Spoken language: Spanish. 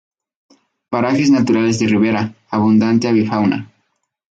Parajes naturales de ribera, abundante avifauna.